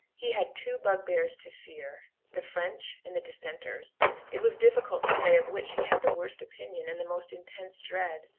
He had two bugbears to fear the French and the Dissenters. It was difficult to say of which he had the worst opinion and the most intense dread.